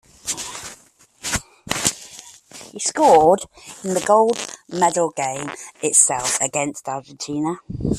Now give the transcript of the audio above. He scored in the Gold Medal game itself against Argentina.